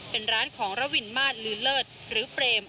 เป็นร้านของระวินมาสลือเลิศหรือเปรม